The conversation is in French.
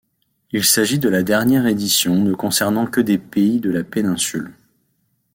Il s'agit de la dernière édition ne concernant que des pays de la péninsule.